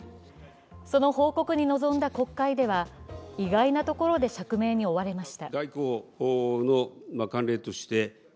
その報告に臨んだ国会では意外なところで釈明に追われました。